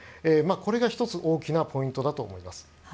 これが１つ大きなポイントだと思います。